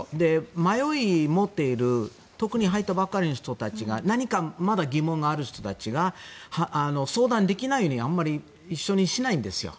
迷いを持っている特に入ったばかりの人たちが何かまだ疑問がある人たちが相談できないようにあんまり一緒にしないんですよ。